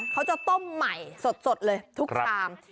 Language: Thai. เขาจะต้มใหม่สดเลยทุกชาม